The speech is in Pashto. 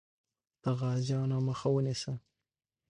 د غازیانو مخه ونیسه.